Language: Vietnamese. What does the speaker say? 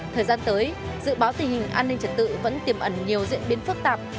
thời gian tới dự báo tình hình an ninh trật tự vẫn tiềm ẩn nhiều diễn biến phức tạp